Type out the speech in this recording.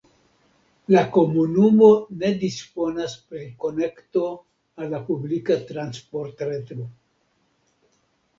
La komunumo ne disponas pri konekto al la publika transportreto.